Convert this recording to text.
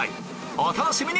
お楽しみに！